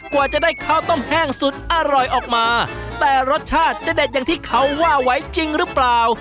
กว่าจะได้ข้าวต้มแห้งสุดอร่อยออกมาแต่รสชาติจะเด็ดอย่างที่เขาว่าไว้จริงหรือเปล่า